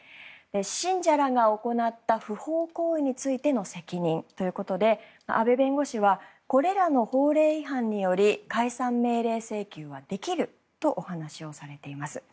信者らが行った不法行為についての責任ということで阿部弁護士はこれらの法令違反により解散命令請求はできるとお話をされています。